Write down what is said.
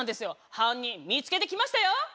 犯人見つけてきましたよ！